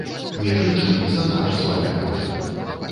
Між іншым, за наш з вамі кошт.